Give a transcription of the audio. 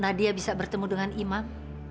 nadia bisa bertemu dengan imam